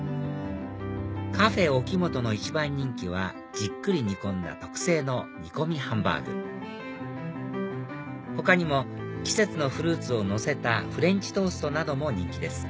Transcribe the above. カフェおきもとの一番人気はじっくり煮込んだ特製の煮込みハンバーグ他にも季節のフルーツをのせたフレンチトーストなども人気です